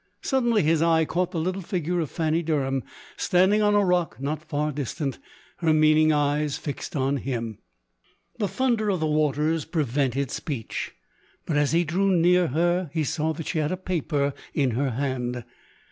Suddenly his eye caught the little figure of Fanny Derham, standing on a rock not far distant, her meaning eyes fixed on him. The thunder of the waters prevented speech ; but as he drew near her, he saw that she had a paper in her hand.